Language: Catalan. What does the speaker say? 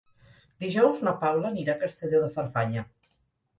Dijous na Paula anirà a Castelló de Farfanya.